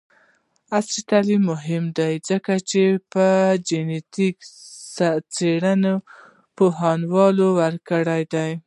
عصري تعلیم مهم دی ځکه چې د جینیټک څیړنې پوهاوی ورکوي.